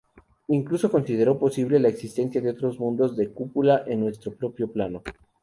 Incluso consideró posible la existencia de otros mundos de cúpula en nuestro propio plano.